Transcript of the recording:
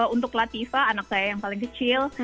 untuk latifa anak saya yang paling kecil